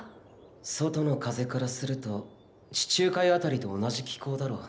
外の風からすると地中海辺りと同じ気候だろう。